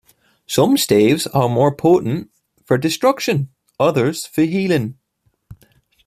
Some staves are more potent for destruction; others, for healing.